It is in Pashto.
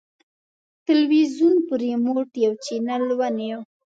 تلویزیون په ریموټ یو چینل ونیو.